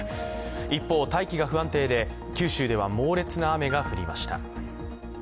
一方、大気が不安定で九州では猛烈な雨が降りました。